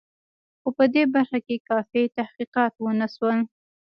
خو په دې برخه کې کافي تحقیقات ونه شول.